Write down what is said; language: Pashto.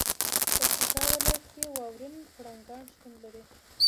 پکتیکا ولایت کې واورین پړانګان شتون لري.